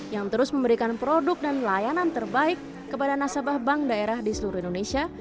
yang terus memberikan produk dan layanan terbaik kepada nasabah bank daerah di seluruh indonesia